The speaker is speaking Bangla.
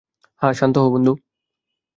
শান্ত হও, বন্ধু।